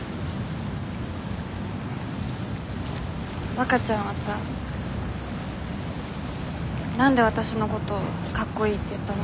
わかちゃんはさ何でわたしのこと「かっこいい」って言ったの？